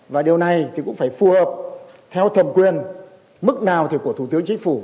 và điều này cũng phải phù hợp theo thầm quyền mức nào thực của thủ tướng chính phủ